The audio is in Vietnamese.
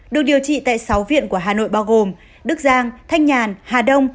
được điều trị tại sáu viện của hà nội bao gồm đức giang thanh nhàn hà đông